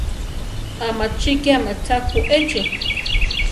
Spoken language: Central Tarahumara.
¿Amachíkiame tza ju echi?